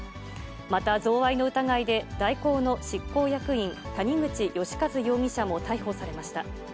また、贈賄の疑いで、大広の執行役員、谷口義一容疑者も逮捕されました。